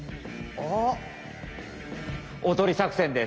おとり作戦です。